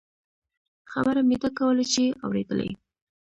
خبره مې دا کوله چې اورېدلې.